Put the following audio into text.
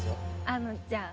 あのじゃあ。